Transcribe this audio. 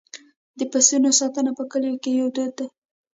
د پسونو ساتنه په کلیو کې یو دود دی.